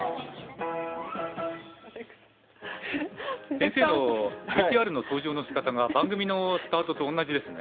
先生のＶＴＲの登場のしかたが番組のスタートと同じですね。